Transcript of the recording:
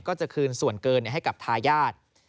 ก็จะคืนส่วนเกินให้กับทายาท